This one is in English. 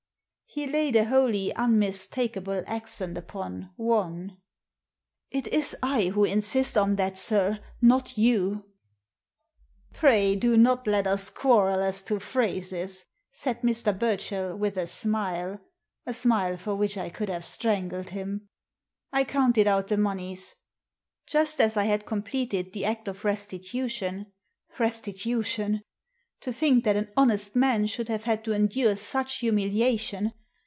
Digitized by VjOOQIC A PACK OF CARDS 75 He laid a wholly unmistakable accent upon won/' " It is I who insist on that, sir, not yoa" " Pray do not let us quarrel as to phrases/' said Mr. Burchell with a smile — a smile for which I could have strangled him. I counted out the moneys. Just as I had completed the act of restitution — restitution! To think that an honest man should have had to endure such humiliation!